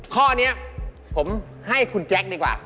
ข้อนี้ผมให้คุณแจ๊คดีกว่า